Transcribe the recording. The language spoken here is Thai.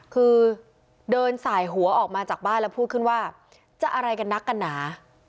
คือเดินสายหัวออกมาจากบ้านแล้วพูดขึ้นว่าจะอะไรกันนักกันหนา